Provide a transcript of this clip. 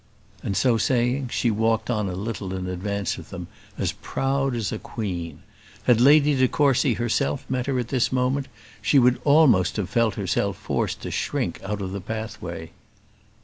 And, so saying, she walked on a little in advance of them, as proud as a queen. Had Lady de Courcy herself met her at this moment, she would almost have felt herself forced to shrink out of the pathway.